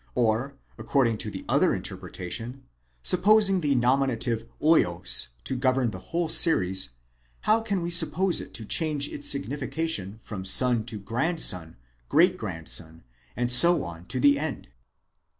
or, according to the other interpretation, supposing the nominative vids to govern the whole series, how can we suppose it to change its s ignification from soa to o grandson, great grandson, and so on to the end?